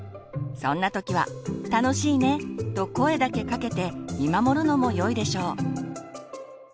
そんな時は「楽しいね」と声だけかけて見守るのもよいでしょう。